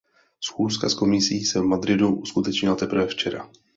Schůzka s Komisí se v Madridu uskutečnila teprve včera.